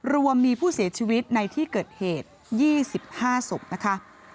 รวมมีผู้เสียชีวิตในที่เกิดเหตุ๒๕ศพนะคะ